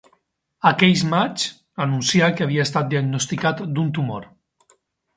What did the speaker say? Aqueix maig anuncià que havia estat diagnosticat d'un tumor.